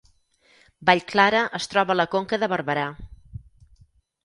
Vallclara es troba a la Conca de Barberà